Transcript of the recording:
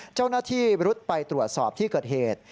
เจ้าหน้าที่รุดไปตรวจสอบที่เกิดเหตุ